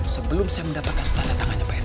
sebelum saya mendapatkan tanda tangannya pak rt